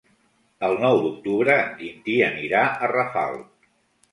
El nou d'octubre en Quintí anirà a Rafal.